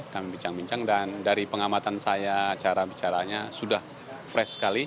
kami bincang bincang dan dari pengamatan saya cara bicaranya sudah fresh sekali